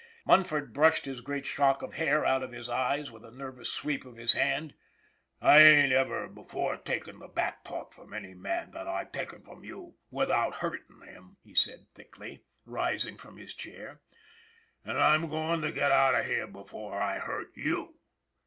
Munford brushed his great shock of hair out of his eyes with a nervous sweep of his hand. " I ain't ever before taken the back talk from any man that I've taken from you without hurtin' him," he said thickly, MUNFORD 331 rising from his chair. " And I'm goin' to get out of here before I hurt you!"